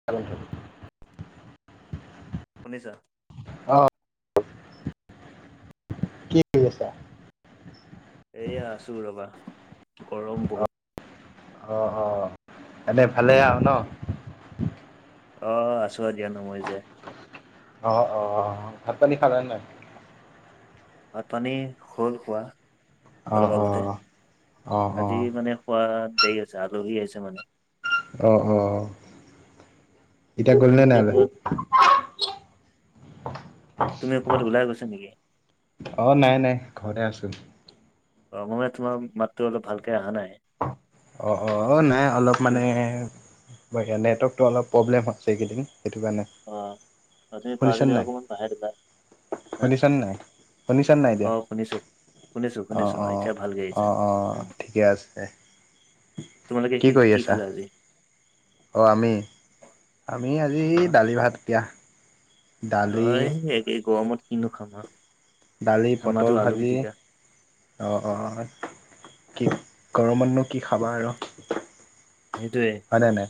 [unintelligible] শুনিছাঁ? অ', কি কৰি আছা? এয়া আছো ৰ'বা। গৰম বহুত। অ', অ', এনে ভালে আৰু ন। অ', আছোঁ আৰু দিয়া, নমৰি জিয়াই। অ', অ', ভাত পানী খালান নাই? ভাত পানী হ'ল খোৱা, অ', অলপ আগতে। অ', অ', আজি অ'। মানে- খোৱা দেৰি হৈছে। আলহী আছে মানে- অ', অ', এতিয়া গ'ল তুমি নে নাই আলহী। ক'বাত তুমি ক'ৰবাত ওলাই গৈছা নিকি? অ', নাই নাই, ঘৰতে আছোঁ। ৰঙমীয়া, তোমাৰ মাতটো অলপ ভালকে অহা নাই। অ'অ', নাই অলপ মানে- তু- ব নেটৱৰ্কটো অলপ প্ৰব্লেম আছে, এইকেইদিন। সেইটো কাৰণে- অ', তুমি পাৰা যদি অকনমান সহায় দিবা। শুনিছান নাই, শুনিছান নাই হা অ এতিয়া। শুনিছো শুনিছো শুনিছো অ অ'অ', এতিয়া ভালকে আহিছে অ'অ', উম ঠিকে আছে। তোমালোকে কৰি কি আছা? খালা আজি। অ', আমি, আমি আজি অ দালি ভাত দিয়া। দালি অ', একেই, এই গৰমত কিনো খাম আও। দালি, আমাৰতো পটল আলু ভাজি। পিটিকা অ'অ', কি? গৰমতনো কি খাবা আৰু। সেইটোয়ে হয় নে নাই।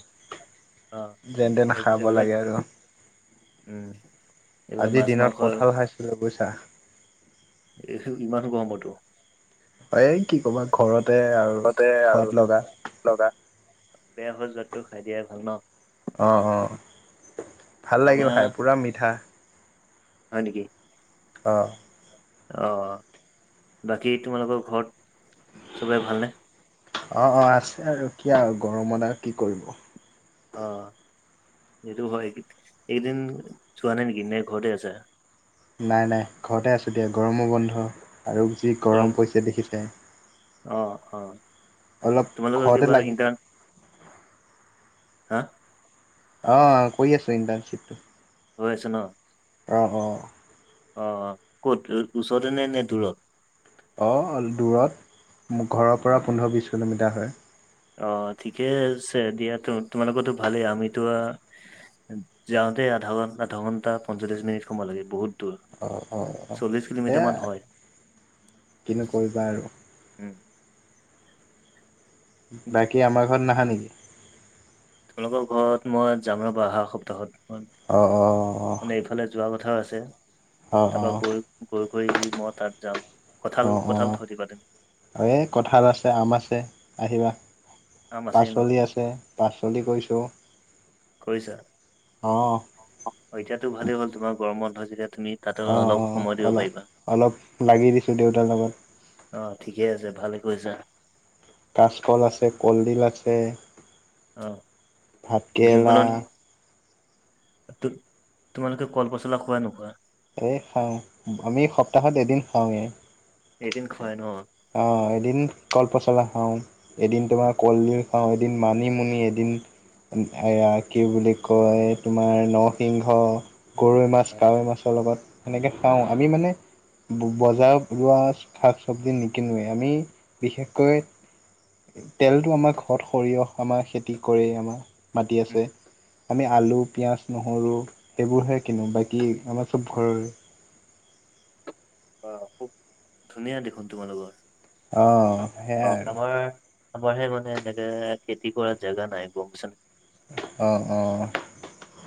অ যেন তেন খাব লাগে আৰু। উম্, আজি দিনত কঁঠাল খাইছিলোঁ বুজিছা। এই ইমান গৰমটো। এ কি কবা ঘৰতে আৰু। অ'তে ঘৰত আৰু লগা লগা। বেয়া হৈ যোৱাতকৈ খাই দিয়াই ভাল ন। অ', অ', ভাল লাগিলে আমাৰ খাই। পূৰা মিঠা। হয় নেকি? অ', অ', অ', বাকী তোমালোকৰ ঘৰত চবৰে ভালনে? অ', অ', আছে আৰু কিয়। আৰু গৰমত আৰু কি কৰিব। অ', এইটো হয়, এইকেইদিন চোৱা নাই নেকি? নে ঘৰতে আছা। নাই নাই, ঘৰতে আছোঁ দিয়া। গৰমৰ বন্ধ আৰু যি গৰম পৰিছে দেখিছাই। অ', অ', অলপ তোমালোকৰ ঘৰতে কিবা লাগি ইণ্টাৰভিউ। হা। অ', কৰি আছোঁ, ইণ্টাৰ্ণশ্বিপটো। হৈ আছে ন। অ', অ', অ', ক'ত। ওচৰতে নে দূৰত। অ', দূৰত। ঘৰৰ পৰা পোন্ধৰ বিছ কিলোমিটাৰ হয়। অ', ঠিকে আছে দিয়া। তো তোমালোকৰতো ভালেই, আমিতো আ- যাওঁতে আধা ঘণ্টা, দুঘন্টা পঞ্চল্লিশ মিনিট সময় লাগে বহুত। ত অ', অ', অ', চল্লিছ কিলোমিটাৰ সেয়া মান হয়। কিনো কৰিবা আৰু। উম্। বাকী আমাৰ ঘৰত নাহা নেকি? তোমালোকৰ ঘৰত মই যাম ৰ'বা আহা সপ্তাহত। অঁ, অঁ। মানে এইফালে যোৱা কথাও আছে, অ', তাৰপা অ', গৈ গৈ কৰি মই তাত যাম। কঁঠাল অঁ, কঁঠাল অঁ থৈ দিবা তুমি আৰু এই কঠাল আছে আম আছে আহিবা। আম আছেই ন পাচলি আছে পাচলি কৰিছো কৰিছা? অঁ। অ' এতিয়াতো ভালেই হ'ল তোমাৰ গৰম বন্ধ যেতিয়া তুমি। তাতে অঁ, অলপ অঁ সময় দিব অলপ পাৰিবা। অলপ লাগি দিছোঁ দেউতাৰ লগত। অ' ঠিকে আছে ভালে কৰিছা। কাচকল আছে কলডিল আছে অ' ভাতকেৰেলা ভীমকলত তো তোমালোকে কল পচলা খোৱানে নোখোৱা? এই খাওঁ, আমি সপ্তাহত এদিন খাওঁৱে। এদিন খোৱাই ন? অঁ এদিন কল পচলা খাওঁ। এদিন তোমাৰ কলডিল খাওঁ এদিন মানিমুনি এদিন এইয়া কি বুলি কয় তোমাৰ নৰসিংহ গৰৈ মাছ কাৱৈ মাছৰ লগত সেনেকে পাওঁ, আমি মানে বজাৰত ওলোৱা শাক চবজি নিকিনোৱে, আমি বিশেষকৈ তেলটো আমাৰ ঘৰৰ সৰিয়হ আমাৰ খেতি কৰে আমাৰ মাটি উম, আছে। আমি আলু পিঁয়াজ নহৰু এইবোৰহে কিনো বাকী আমাৰ চব ঘৰৰে। অঁ খুব ধুনীয়া দেখোন তোমালোকৰ? অ' সেই আমাৰ আমাৰ হে মানে এনেকে খেতি কৰা জোগা নাই গ'ম পাইছানে? অঁ, অঁ।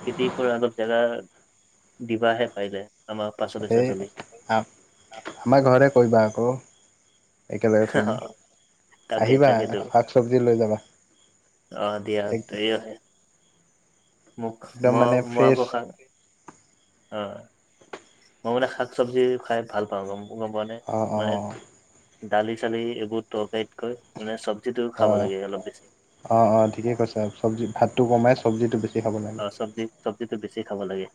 খেতি কৰা অলপ জেগা দিবাহে পাৰিলে? আমাৰ পাচলি ঢেই চাচলি আমাৰ ঘৰতে কৰিবা আকৌ। একেলগে কৰিম, অ তাকে আহিবা তাকেতো শাক চবজি লৈ যাবা। অ' দিয়া। এক মোক, একদম মানে মই ফ্ৰেছ আকৌ খাই অ' মই মানে শাক চবজি খাই ভাল পাওঁ গ'ম গ'ম পোৱানে? অ অ মানে দালি চালি এইবোৰ টৰকাৰীতকৈ মানে চব্জি টো অ খাব লাগে অলপ বেছি। অ', অ' ঠিকে কৈছে। চব্জি ভাত টো কমাই চব্জি টো বেছি খাব লাগে অ' চব্জি চব্জিটো বেছি খাব লাগে।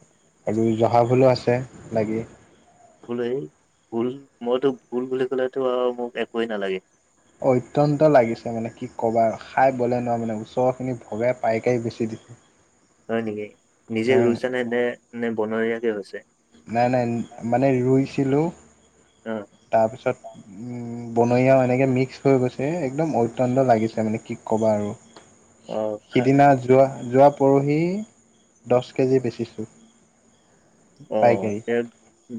আৰু জহা ভোলো আছে লাগি। বোলো এই ভোল মইতো ভোল বুলি ক'লেতো আৰু মোক একোৱেই নালাগে। অত্যন্ত লাগিছে মানে কি কবা, খাই বলে নোৱাৰ মানে ওচৰৰ খিনিক ভগাই দি পাইকাৰি বেছি দিছো। [unintelligible] হয় নেকি? নিজে ৰুইছা নে নে বনৰীয়াকেৈ হৈছে? নাই নাই মানে ৰুইছিলোঁ অ'। তাৰপিছত উম বনৰীয়াও এনেকে মিক্স হৈ গৈছে, একদম অত্যন্ত লাগিছে মানে কি ক'বা আৰু। উ অ খা সিদিনা যোৱা যোৱা পৰহি দহ কেজি বেচিছোঁ। অ' পাইকাৰী সে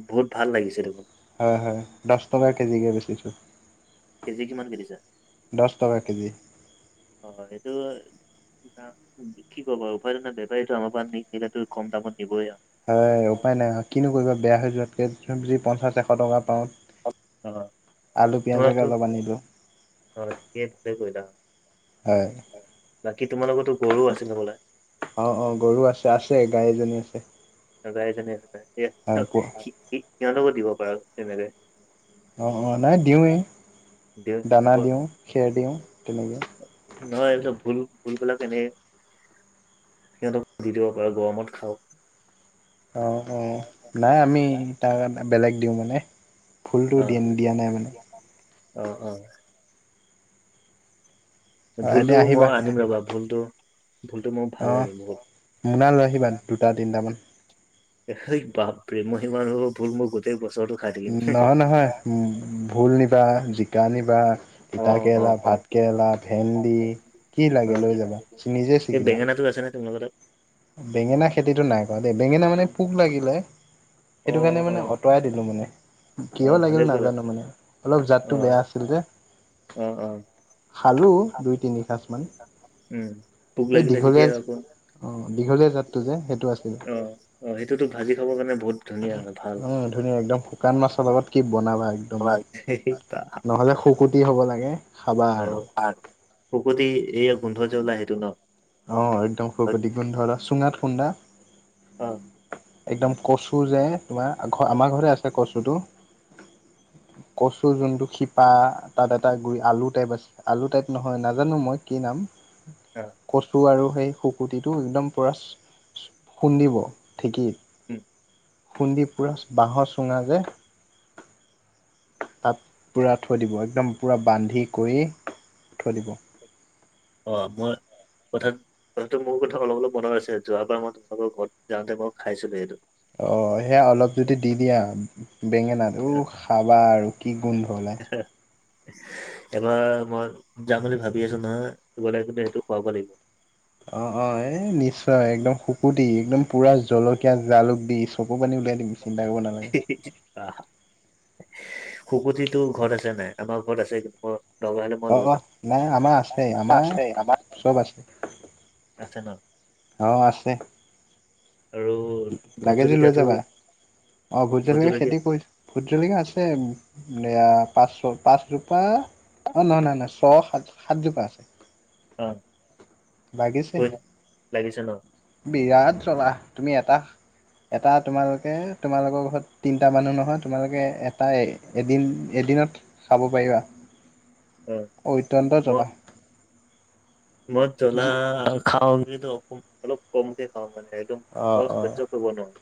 বহুত ভাল লাগিছে দেখোন। হয়, হয় দহ টকা কেজিকৈ বেচিছোঁ। কেজি কিমানকৈ দিছা? দহ টকা কেজি অ' এইটো কি ক'বা? উপাই ত' নাই! বেপাৰীটো, আমাৰ পৰা নি কিনেতো, কম দামত নিবই আৰু। উপায় নাই! কিনো কৰিবা? বেয়া হৈ যোৱাতকৈ, যি পঞ্চাছ, এশ টকা পাওঁ। আলু পিয়াজকে অলপ আনিলো [unintelligible] ঠিকেই, ভালে কৰিলা। হয়! বাকী, তোমাৰ লগতো গৰু আছিল, ন' বোলে? অ' অ'! গৰু আছে, আছে, গাই এজনী আছে। [unintelligible] হয় ক সিহঁতকো দিব পাৰ, তেনেকে? অ' অ'! নাই, দিওঁৱেই। দিওঁ দানা দিওঁ, খেৰ দিওঁ তেনেকে। নহয়, এইবিলাক ভোল, ভোলবিলাক এনে, সিহঁতক দি দিব পাৰে, গৰমত খাওঁক। অ' অ'! নাই আমি, তাক বেলেগ দিওঁ মানে। ফুলটো দি অ'! দিয়া নাই মানে অ' অ'! হয় ভোলটো, এতিয়া মই আহিবা আনিম ৰ'বা, ভোলটো-ভোলটো মোৰ অ ভাল লাগে, মোনা লৈ আহিবা বহুত! দুটা তিনটামান। হেই বাপৰে! [unintelligible] গোটেই বছৰটো খাই থাকিম। নহয়, নহয়। ভোল নিবা, জিকা নিবা, অ', অ', তিতাকেৰেলা, অ', ভাত কেৰেলা, ভেন্দি। কি অ', লাগে, লৈ যাবা? নিজে এই চিঙিবা। বেঙেনাটো আছে নে তোমালোকৰ তাত? বেঙেনা খেতিটো নাই কৰা, দেই। বেঙেনা মানে, পোক লাগিলে। সেইটো কাৰণে, মানে অ', আঁতৰাই দিলোঁ মানে। অ', কিয় অ', ভালে লাগিল কৰা নাজানোঁ মানে! অলপ জাতটো বেয়া অ', আছিল, যে। অ' অ'! খালোঁ দুই-তিনি সাজমান। উম, পোক এই, লাগিলে দীঘলীয়া, যেতিয়া অ'! আকৌ দীঘ দীঘলীয়া জাতটো যে, সেইতো আছিলে। অ', অ', সেইটোতো ভাজি খাবৰ কাৰণে বহুত ধুনীয়া হয় ভাল। অ'! ধুনীয়া একদম! শুকান মাছৰ লগত কি বনাবা, একদম! নহ'লে শুকতি হ'ব লাগে। খাবা আৰু অ'! পাত। শুকতি এইয়া, গোন্ধ যে ওলাই, সেইটো ন'? অ'! একদম অ', শুকতি গোন্ধ এটা, চুঙাত খুন্দা। অ'! একদম কঁচু যে তোমাৰ, আমাৰ ঘৰতে আছে, কচুটো। কচু যোনটো শিপা, তাত এটা গুৰি, আলু টাইপ আছে, আলু টাইপ নহয়, নাজানোঁ মই কি নাম? অ', কচু আৰু সেই, শুকতিটো একদম পূৰা, খুন্দিব ঢেঁকীত। উম! খুন্দি পূৰা, বাঁহৰ চুঙা যে, তাত, পূৰা থৈ দিব, একদম পূৰা বান্ধি কৰি, থৈ দিব। অ'! মই কথা, কথাটো মোৰ কথা, অলপ--অলপ মনত আছে। যোৱাবাৰ মই, তোমালোকৰ ঘৰত যাওঁতে, মই খাইছিলোঁ, এইটো। অ'! সেয়া, অলপ যদি দি দিয়া, বেঙেনাত। উহ! খাবা আৰু কি গোন্ধ ওলাই। এবাৰ মই, যাম বুলি ভাবি আছোঁ, নহয়! গ'লে কিন্তু, সেইটো খুৱাব লাগিব? অ' অ'! এ, নিশ্চয়। একদম, শুকতি একদম পূৰা, জলকীয়া জালুক দি, চকু পানী উলিয়াই দিম। চিন্তা কৰিব নাই। হি, হি, হি! আহ! শুকতিটো ঘৰত আছে নাই? আমাৰ ঘৰত আছে। মই দৰকাৰ হ'লে, মই অ লৈ যাম। নাই অ'! আমাৰ আছে আমাৰ আছে, আমাৰ। চব আছে আছে ন'? অ'! আছে। আৰু ভোট লাগে যদি লৈ জলকীয়াটো যাবা? অ'! ভোট ভোটজলকীয়া জলকীয়া খেতি কৰিছোঁ। ভোটজলকীয়া আছে। এইয়া, পাঁচ- পাঁচ জোপা। অ'! নহয়, নহয়, ছয়- সাতজোপা আছে। অ'! লাগিছে [unintelligible] লাগিছে ন'? বিৰাট জ্বলা! তুমি এটা এটা তোমালোকে, তোমালোকৰ ঘৰত তিনিটা মানুহ নহয়, তোমালোকে এটাই এদিন এদিনত খাব পাৰিবা, অ অত্যন্ত মই জ্বলা। মই জ্বলা খাওঁ বুলিতো অলপ কমকে খাওঁ, মানে একদম অ মই অ সহ্য কৰিব নোৱাৰোঁ।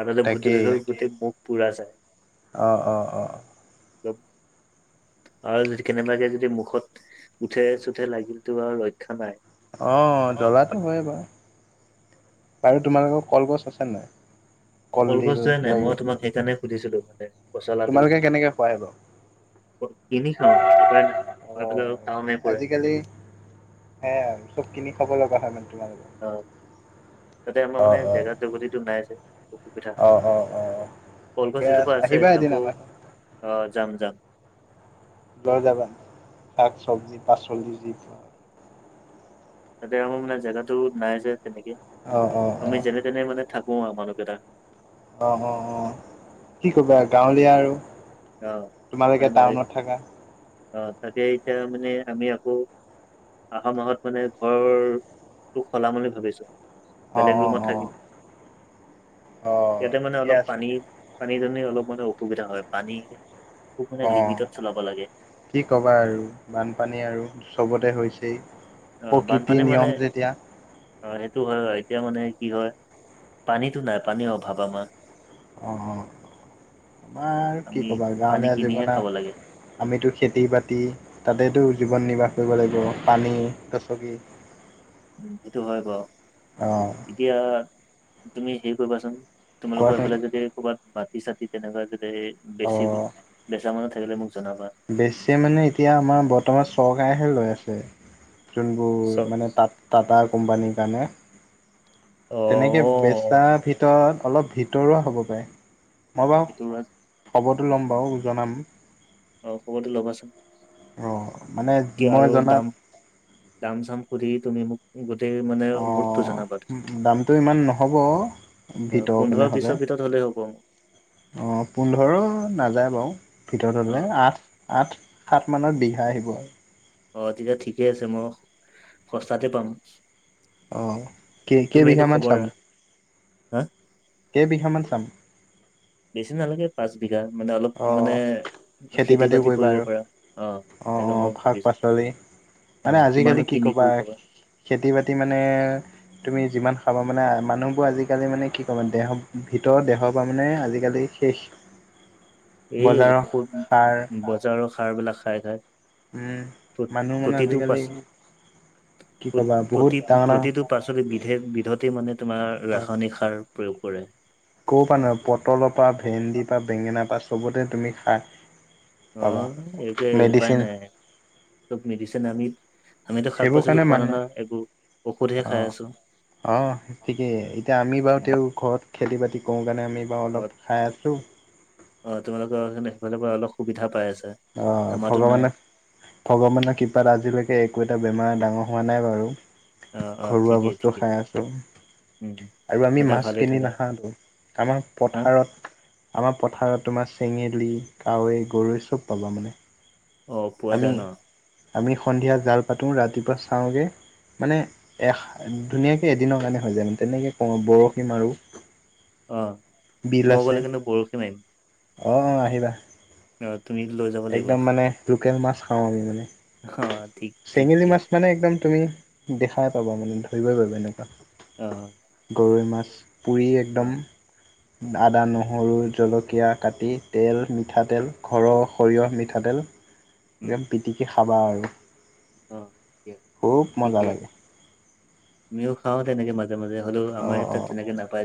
আৰু যে তাকেই ভোতজলকীয়াতো, গোটেই মুখ পুৰা যায়। অঁ', অঁ', অঁ'। [unintelligible] আৰু যদি কেনেবাকে যদি মুখত উঠে চুঠে লাগিলটো আৰু ৰক্ষা নাই। অঁ', জ্বলাটো হয় বাৰু, বাৰু তোমালোকৰ কলগছ আছেনে নাই? কলডিল কলগছতোহে নাই, কিবা মই কিবি তোমাক সেইকাৰণে সুধিছিলো মানে। পচলাটো তোমালোকে কেনেকে খোৱা এইবোৰ? কিনি খাওঁ উপাই নাই অ আমাৰ এফালে অলপ তাউনে পৰে। সেইয়াই আৰু চব কিনি খাব লগা হয় মানে তোমালোকৰ। অ', তাতে আমাৰ অ মানে অ জেগাত জেগতিটো নাইযে, অসুবিধা। অ', অ', অ'। কলগছ ঠিকে এজোপা আছে আহিবা এদিন তাকো, আমাৰ আহ যাম যাম। ঘৰত লৈ যাবা, শাক চব্জি পাচলি যি পোৱা। তাতে আমাৰ মানে জেগাটো নাই যে তেনেকে, অ অ অ আমি যেনে তেনে মানে থাকো আৰু মানুহকেইটা। অ', অ', অ'। কি ক'বা, গাওঁলীয়া আৰু অ তোমালোকে উপায় নাই টাউনত থাকা। অ', তাতে এতিয়া মানে আমি আকৌ আহা মাহত মানে ঘৰ তো সলাম বুলি ভাবিছো। অ বেলেগ অ ৰুমত অ থাকিম। অ ইয়াতে মানে ঠিকে অলপ আছে পানী পানী দুনি অলপ মানে অসুবিধা হয়। পানী খুব মানে অ লিমিটত চলাব লাগে। কি ক'বা আৰু, বানপানী আৰু চবতে হৈছেই, অ' বানপানী প্ৰকৃতিৰ মানে নিয়ম যেতিয়া। অ', সেইটো হয় আৰু এতিয়া মানে কি হয় পানীতটো নাই, পানীৰ অভাৱ আমাৰ। অ', অ', আমাৰ কি আমি কবা পানী গাঁৱলীয়া কিনিহে খাব লাগে জীৱন। আমিতো খেতি বাতি, তাতেতো জীৱন নিৰ্বাহ কৰিব লাগিব, পানী গচকি। [inaudible] উন, সেইটো হয় বাৰু, অ এতিয়া তুমি হেৰি কৰিবাচোন। তোমালোকৰ কোৱাচোন এইফালে যদি ক'ৰবাত মাটি চাতি তেনেকুৱা যতে অ বেছি বেচা মানুহ থাকিলে মোক জনাবা। বেছি মানে এতিয়া আমাৰ বৰ্তমান চৰকাৰেহে লৈ আছে, যোনবোৰ চব মানে তাত টাটাৰ কোম্পানীৰ কাৰণে তেনেকে বে অ' চাৰ ভিতৰত অলপ ভিতৰুৱা হ'ব পাৰে, মই বাৰু এইটো খবৰটো ল'ম বাৰু জনাম। অ', খবৰটো ল'বাচোন। অ'। মানে কিয় মই আৰু জনাত দাম দাম চাম সুধি তুমি মোক গোটেই মানে অ মুূঠতু জনাবা তুমি। দামটো ইমান নহ'ব, অ, ভিতৰ পোন্ধৰ পিনে হ'লে। বিছৰ ভিতৰত হ'লেই হ'ব মোৰ। অ', পোন্ধৰো নাযায় বাৰু ভিতৰত হ'লে অ', আঠ আঠ, সাত মানত বিঘা আহিব আৰু। অ', তেতিয়া ঠিকে আছে, মই সস্তাতে পাম। অ', তুমি কেই-কেইবিঘা এইটো মান খবৰ চাম? ৰা হা কেইবিঘামান চাম? বেছি নালাগে, পাঁচ বিঘা, মানে অলপ অ মানে খেতি বাতিও বাতি কৰিবা কৰিব আৰু পাৰা, অ', অ সেনেকৈ মই শাক ভাবিছো। পাচলি মানে অ', আজিকালি কিমানত কি কিন ক'বা কৰি খাবা। খেতি বাতি মানে তুমি যিমান খাবা মানে, মানুহবোৰ আজিকালি মানে কি ক'ম দেহৰ ভিতৰৰ দেহৰ তোমাৰ মানে আজিকালি শেষ। এই বজাৰৰ ঔষধ, সাৰ বজাৰৰ সাৰবিলাক খাই খাই। উম মানুহ মানে প্ৰতিটো পা আজিকালি কি ক'বা বহুত প্ৰতি ডাঙৰ ডাঙৰ প্ৰতিটো পাচলি বিধে বিধতেই মানে তোমাৰ ৰাসায়নিক সাৰ প্ৰয়োগ কৰে। ক'ব পাৰা নহয়, পটলৰ পৰা, ভেন্দি পা বেঙেনা পা চবতে তুমি খাই অ' এতিয়া উপায় নাই, চব মেডিচন আমিত আমিতো শাক সেইবোৰ পাচলি কাৰণে খোৱা মানুহ না একো, ঔষধহে খাই অ', আছোঁ। অ' ঠিকেই, এতিয়া আমি বাৰু অ তেওঁৰ ঘৰত খেতি বাতি কৰোঁ কাৰণে আমি বাৰু অ অলপ খাই আছোঁ। অ' তোমালোকৰ সেইফালৰপৰা অলপ সুবিধা পাই আছা। অ' আমাৰতো নাই ভগৱানে ভগৱানৰ কৃপাত আজিলৈকে একো এটা বেমাৰ ডাঙৰ হোৱা নাই বাৰু। অ অ ঘৰুৱা ঠিকেই বস্তু ঠিকেই খাই আছোঁ। উম আৰু আমি সদায় মাছ ভালে কিনি থাকা নাখাওঁতো, আমাৰ হা পথাৰত আমাৰ পথাৰত তোমাৰ চেঙেলী, কাৱৈ, গৰৈ চব পাবা মানে। অ' পোৱা যায় আমি ন'? আমি সন্ধিয়া জাল পাতোঁ, ৰাতিপুৱা চাওঁগে মানে এ, ধুনীয়াকে এদিনৰ কাৰণে হৈ যায় মানে তেনেকে কৰোঁ, বৰশী মাৰো। অ' মই গ'লে কিন্তু বৰশী মাৰিম। অ' আহিবা। অ' তুমি লৈ যাব লাগিব একদম মানে লোকেল মাছ খাওঁ আমি মানে। অ' ঠিক ঠিক চেঙেলী ঠিক মাছ মানে একদম তুমি দেখাই পাবা মানে ধৰিবই পাৰিবা এনেকুৱা। অ'। গৰৈ মাছ পুৰি অ একদম আদা, নহৰু, জলকীয়া কাটি তেল মিঠাতেল ঘৰৰ, সৰিয়হ মিঠাতেল উম একদম পিটিকি খাবা আৰু। অ' দিয়া, খুব মজা ঠিকেই। লাগে আমিও খাওঁ তেনেকে মাজ মাজে মাজে, হ'লেও অ আমাৰ তাত অ তেনেকে নাপাই যে।